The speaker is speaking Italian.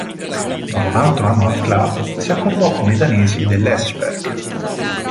Dopo un altro anno al club, si accordò con i danesi dell'Esbjerg.